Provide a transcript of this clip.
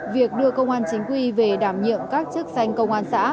việc đưa công an chính quy về đảm nhiệm các chức danh công an xã